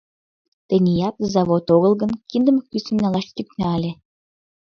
Теният, завод огыл гын, киндым кӱсын налаш тӱкна ыле.